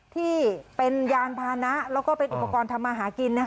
ที่เป็นยานพานะและอุปกรณ์ทำมาหากิน